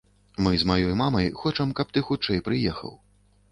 Мы з маёй мамай хочам, каб ты хутчэй прыехаў.